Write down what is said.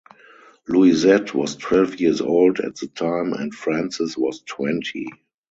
Louisette was twelve years old at the time and Francis was twenty.